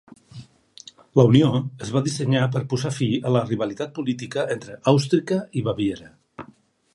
La unió es va dissenyar per posar fi a la rivalitat política entre Àustrica i Baviera.